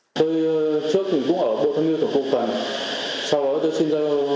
tôi trước cũng ở bộ thông nghiên của cộng phản